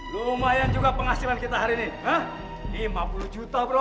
lumayan juga penghasilan kita hari ini lima puluh juta bro